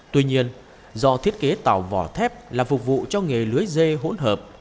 tuy nhiên do thiết kế tàu vỏ thép là phục vụ cho nghề lưới dê hỗn hợp